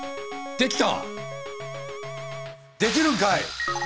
できた！